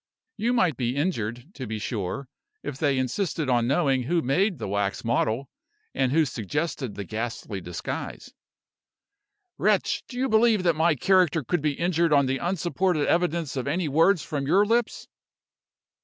You might be injured, to be sure, if they insisted on knowing who made the wax model, and who suggested the ghastly disguise " "Wretch! do you believe that my character could be injured on the unsupported evidence of any words from your lips?"